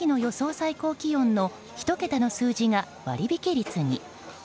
最高気温の１桁の数字が割引率に。